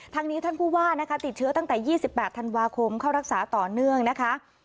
ทางนี้ท่านผู้ว่านะคะติดเชื้อตั้งแต่๒๘ธันวาคมเข้ารักษาต่อเนื่องนะคะ